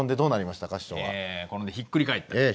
転んでひっくり返った。